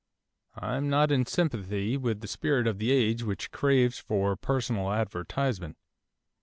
I am not in sympathy with the spirit of the age which craves for personal advertisement.